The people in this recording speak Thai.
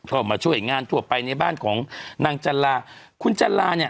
มาช่วยงานทั่วไปในบ้านของนางจันลาคุณจันลาเนี่ย